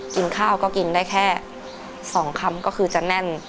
กินข้าวก็กินได้แค่๒คำก็คือจะแน่น